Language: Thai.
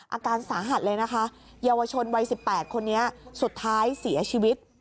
อาการสาหัสเลยนะคะเยาวชนวัย๑๘คนนี้สุดท้ายเสียชีวิต